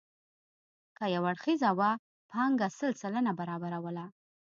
که یو اړخیزه وه پانګه سل سلنه برابروله.